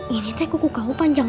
ibu mau pulang